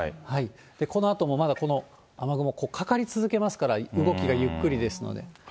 このあともまだこの雨雲、かかり続けますから、動きがゆっくりですので。